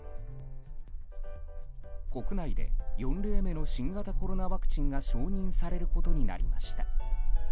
国内で４例目の新型コロナワクチンが承認されることになりました。